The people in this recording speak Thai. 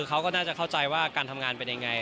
เขาก็น่าจะเข้าใจว่าการทำงานเป็นยังไง